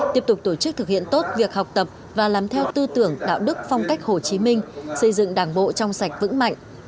tiếp tục tổ chức thực hiện tốt việc học tập và làm theo tư tưởng đạo đức phong cách hồ chí minh xây dựng đảng bộ trong sạch vững mạnh